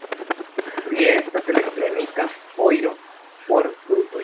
Tie estas elektronika foiro por brutoj.